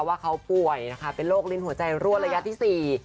ว่าเขาป่วยนะคะเป็นโรคลิ้นหัวใจรั่วระยะที่สี่